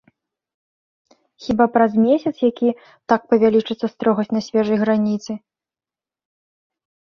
Хіба праз месяц які так павялічыцца строгасць на свежай граніцы?